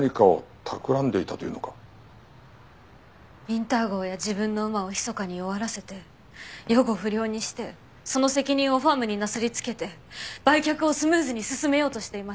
ウィンター号や自分の馬をひそかに弱らせて予後不良にしてその責任をファームになすりつけて売却をスムーズに進めようとしていました。